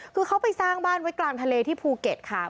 คือเขาไปสร้างบ้านไว้กลางทะเลที่ภูเก็ตค่ะ